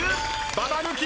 ババ抜き